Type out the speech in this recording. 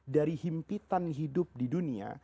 dari himpitan hidup di dunia